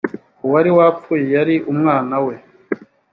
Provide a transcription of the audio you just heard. uwari wapfuye yari umwanawe.